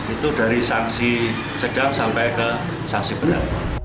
itu dari sanksi sedang sampai ke sanksi berat